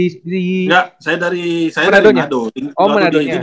enggak saya dari manado